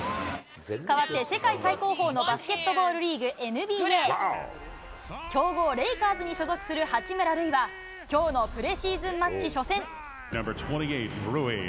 変わって世界最高峰のバスケットボールリーグ、ＮＢＡ。強豪レイカーズに所属する八村塁は、きょうのプレシーズンマッチ初戦。